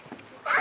あ！